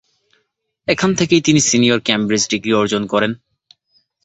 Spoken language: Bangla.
এখান থেকেই তিনি সিনিয়র কেমব্রিজ ডিগ্রি অর্জন করেন।